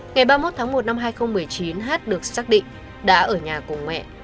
ngày ba mươi một tháng một năm hai nghìn một mươi chín hát được xác định đã ở nhà cùng mẹ